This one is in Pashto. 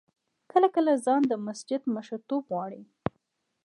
کله کله خان د مسجد مشرتوب غواړي.